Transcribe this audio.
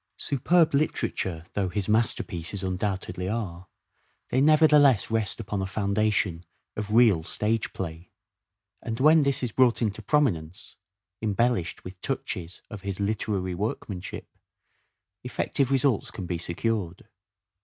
Superb literature though his masterpieces undoubtedly are, they nevertheless rest upon a foundation of real stage play. And when this is brought into prominence, embellished with touches of his literary workmanship, effective results can be secured.